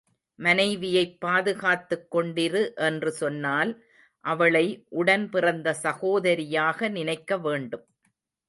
மனைவியைப் பாதுகாத்துக் கொண்டிரு என்று சொன்னால் அவளை உடன் பிறந்த சகோதரியாக நினைக்க வேண்டும்.